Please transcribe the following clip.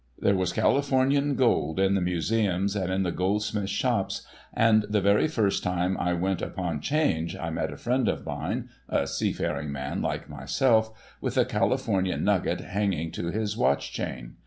There Avas Californian gold in the museums and in the goldsmith's shops, and the very first time I went upon 'Change, I met a friend of mine (a seafaring man like myself), with a Californian nugget hanging to his watch chain.